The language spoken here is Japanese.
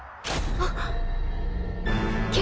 あっ。